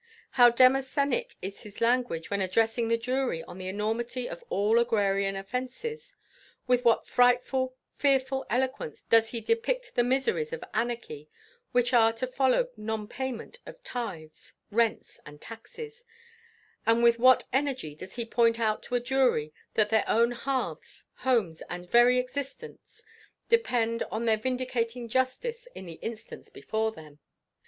How Demosthenic is his language when addressing the jury on the enormity of all agrarian offences; with what frightful, fearful eloquence does he depict the miseries of anarchy, which are to follow nonpayment of tithes, rents, and taxes; and with what energy does he point out to a jury that their own hearths, homes, and very existence depend on their vindicating justice in the instance before them.